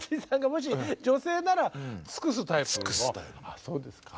あそうですか。